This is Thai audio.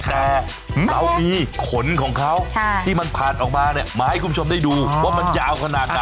แต่เรามีขนของเขาที่มันผ่านออกมาเนี่ยมาให้คุณผู้ชมได้ดูว่ามันยาวขนาดไหน